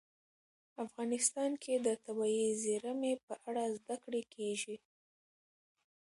افغانستان کې د طبیعي زیرمې په اړه زده کړه کېږي.